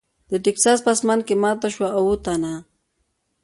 د ټیکساس په اسمان کې ماته شوه او اووه تنه .